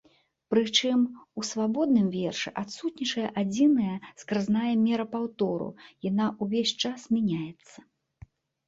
Прычым у свабодным вершы адсутнічае адзіная скразная мера паўтору, яна ўвесь час мяняецца.